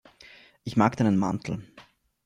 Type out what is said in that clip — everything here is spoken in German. Ich mag deinen Mantel.